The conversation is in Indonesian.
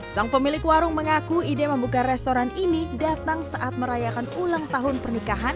sang pemilik warung mengaku ide membuka restoran ini datang saat merayakan ulang tahun pernikahan